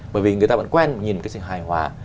bởi vì người ta vẫn quen nhìn cái gì hài hóa